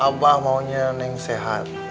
abah maunya neng sehat